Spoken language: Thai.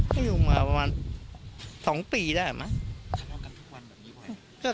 เขาอยู่มาประมาณ๒ปีได้หรือเปล่า